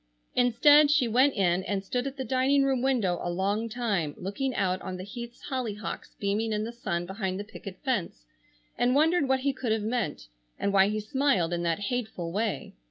Instead she went in and stood at the dining room window a long time looking out on the Heaths' hollyhocks beaming in the sun behind the picket fence, and wondered what he could have meant, and why he smiled in that hateful way.